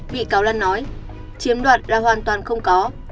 bị cáo lan nói chiếm đoạt là hoàn toàn không có